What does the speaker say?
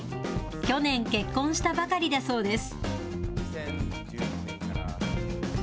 去年、結婚したばかりだそうです。